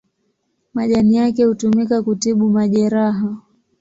Majani yake hutumika kutibu majeraha.